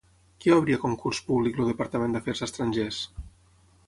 Què obre a concurs públic el Departament d'Afers estrangers?